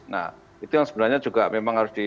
nah itu yang sebenarnya juga memang harus di